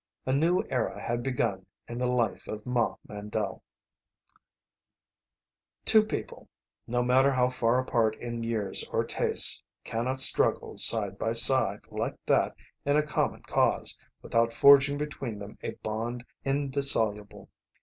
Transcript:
A new era had begun in the life of Ma Mandle. Two people, no matter how far apart in years or tastes, cannot struggle side by side, like that, in a common cause, without forging between them a bond indissoluble.